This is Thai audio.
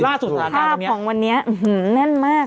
นี่ราชสุภาพของวันนี้แน่นมากค่ะ